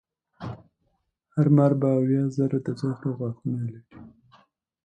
هر مار به اویا زره د زهرو غاښونه لري.